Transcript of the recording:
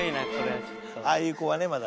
ああいう子はねまだ。